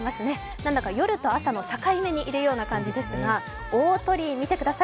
なんだか夜と朝の境目にいるような感じですが、大鳥居見てください。